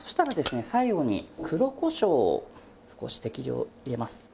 最後に黒こしょうを少し適量入れます。